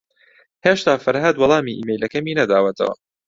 ھێشتا فەرھاد وەڵامی ئیمەیلەکەمی نەداوەتەوە.